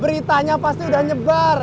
beritanya pasti udah nyebar